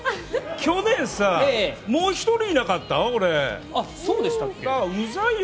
去年さ、もう１人いなかった？